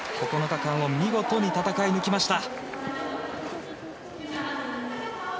９日間を見事に戦い抜きました。